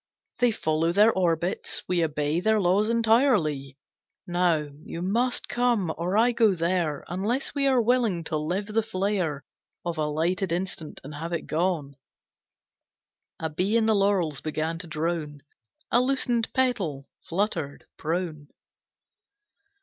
They follow their orbits, we Obey their laws entirely. Now you must come, or I go there, Unless we are willing to live the flare Of a lighted instant and have it gone." A bee in the laurels began to drone. A loosened petal fluttered prone.